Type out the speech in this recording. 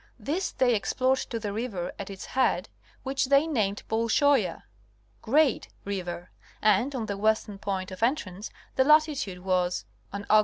This they explored to the river at its head which they named Bolshoia (Great) River, and on the western point of entrance the latitude was, Aug.